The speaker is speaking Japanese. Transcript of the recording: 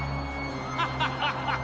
ハハハハ！